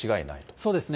そうですね。